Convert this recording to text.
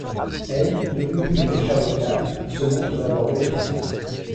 Elle, devenue une riche avocate, se montre d'abord réticente.